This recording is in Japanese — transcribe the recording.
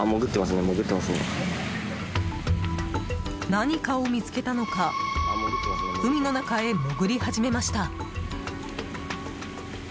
何かを見つけたのか海の中へ潜り始めました。